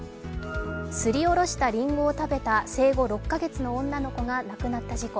すりおろしたりんごを食べた生後６か月の女の子が亡くなった事故。